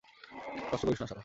নষ্ট করিস না শালা।